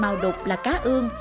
màu đục là cá ương